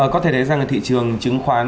có thể thấy rằng thị trường chứng khoán